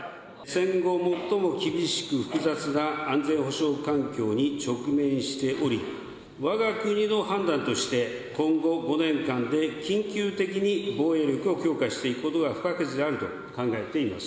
戦後最も厳しく複雑な安全保障環境に直面しており、わが国の判断として、今後５年間で、緊急的に防衛力を強化していくことが不可欠であると考えています。